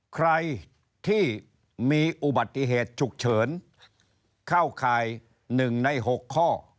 ใครที่มีอุบัติเหตุฉุกเฉินเข้าข่าย๑ใน๖ข้อ